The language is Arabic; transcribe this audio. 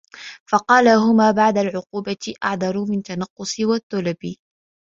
فَقَالَ هُمَا بَعْدَ الْعُقُوبَةِ أَعْذَرُ فِي تَنَقُّصِي وَثَلْبِي